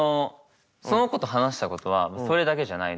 その子と話したことはそれだけじゃないのよ。